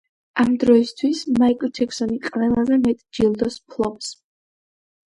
ამ დროისათვის მაიკლ ჯეკსონი ყველაზე მეტ ჯილდოს ფლობს.